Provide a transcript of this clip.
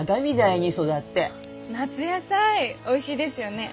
夏野菜おいしいですよね。